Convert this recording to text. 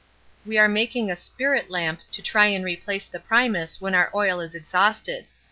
We are making a spirit lamp to try and replace the primus when our oil is exhausted.